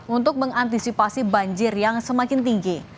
untuk mengantisipasi banjir yang semakin tinggi